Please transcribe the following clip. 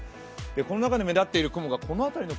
この中で目立っている雲がこの辺りの雲。